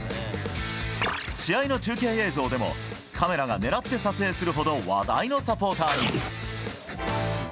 試合の中継映像でもカメラが狙って撮影するほど話題のサポーターに。